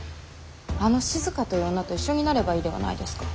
あの静という女と一緒になればいいではないですか。